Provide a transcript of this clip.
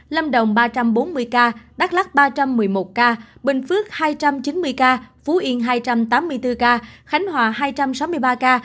lâm đồng ba trăm bốn mươi ca đắk lắc ba trăm một mươi một ca bình phước hai trăm chín mươi ca phú yên hai trăm tám mươi bốn ca khánh hòa hai trăm sáu mươi ba ca